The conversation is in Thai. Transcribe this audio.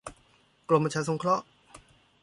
กรมประชาสงเคราะห์